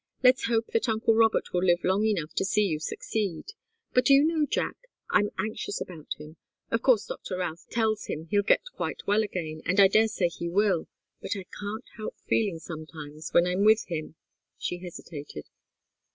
Let's hope that uncle Robert will live long enough to see you succeed. But do you know, Jack, I'm anxious about him. Of course Doctor Routh tells him he'll get quite well again, and I daresay he will, but I can't help feeling sometimes, when I'm with him " she hesitated.